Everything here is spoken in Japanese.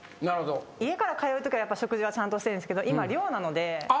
家から通うときは食事はちゃんとしてるんですけど今寮なので。